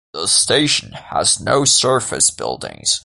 The station has no surface buildings.